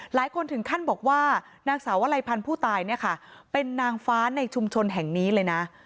หลายคนถึงขั้นบอกว่านางสาววลัยพันธ์ผู้ตายเนี่ยค่ะเป็นนางฟ้าในชุมชนแห่งนี้เลยนะ